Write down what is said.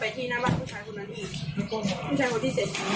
แฟนหนูก็ห้ามไม่ได้ใครก็ห้ามไม่ได้